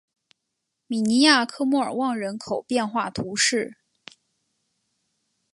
米尼亚克莫尔旺人口变化图示